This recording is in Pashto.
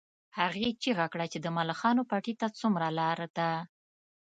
هغې چیغه کړه چې د ملخانو پټي ته څومره لار ده